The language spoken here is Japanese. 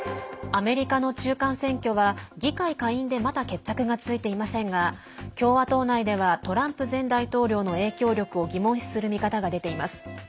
アメリカの中間選挙は議会下院でまだ決着がついていませんが共和党内ではトランプ前大統領の影響力を疑問視する見方が出ています。